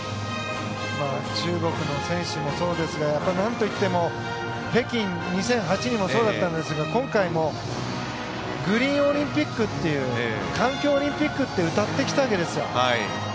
中国の選手もそうですがなんといっても北京２００８年もそうだったんですが今回もグリーンオリンピックっていう環境オリンピックってうたってきたわけですよ。